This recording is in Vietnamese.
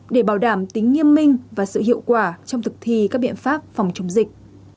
để bảo đảm tính nghiêm minh và sự hiệu quả trong thực thi các biện pháp phòng chống dịch